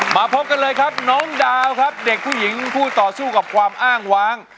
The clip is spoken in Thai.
มาพบกันเลยครับน้องดาวครับเด็กผู้หญิงผู้ต่อสู้กับความอ้างว้าง